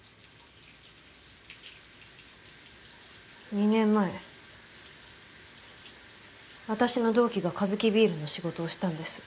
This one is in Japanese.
２年前私の同期がカヅキビールの仕事をしたんです。